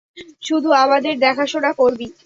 শুধু আমাদের দেখা শোনা করবি।